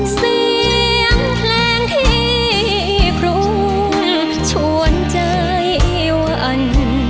เสียงเพลงที่ครูชวนใจวัน